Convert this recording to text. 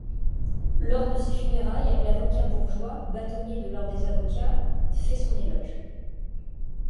Lors de ses funérailles, l'avocat Bourgeois, bâtonnier de l'ordre des avocats, fait son éloge.